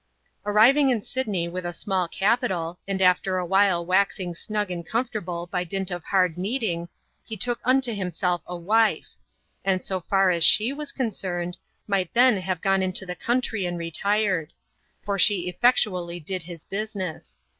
Arriving in Sydney with a small capital, and after a while waxing snug and comfortable by dint of hard kneading, he took unto himself a wife ; and so far as she was concerned, might then have gone into the country and retired ; for she effectuallj did his business.